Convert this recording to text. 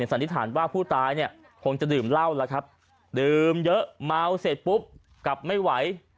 สันนิษฐานว่าผู้ตายเนี่ยคงจะดื่มเหล้าแล้วครับดื่มเยอะเมาเสร็จปุ๊บกลับไม่ไหว